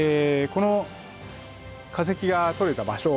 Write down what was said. この化石が採れた場所